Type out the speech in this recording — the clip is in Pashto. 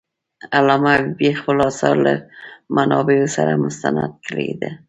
علامه حبيبي خپل آثار له منابعو سره مستند کړي دي.